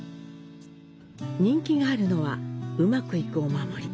人気があるのは、「うまくいく御守」。